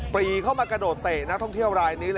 ปรีเข้ามากระโดดเตะนักท่องเที่ยวรายนี้เลย